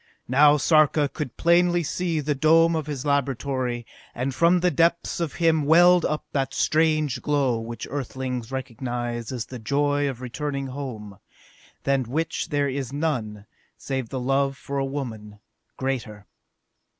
Now Sarka could plainly see the dome of his laboratory, and from the depths of him welled up that strange glow which Earthlings recognize as the joy of returning home, than which there is none, save the love for a woman, greater.